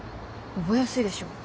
覚えやすいでしょ。